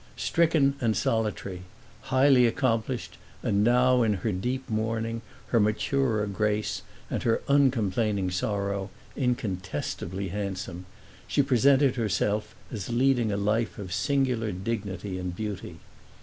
Stricken and solitary, highly accomplished and now, in her deep mourning, her maturer grace and her uncomplaining sorrow, incontestably handsome, she presented herself as leading a life of singular dignity and beauty.